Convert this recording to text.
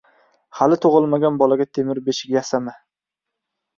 • Hali tug‘ilmagan bolaga temir beshik yasama.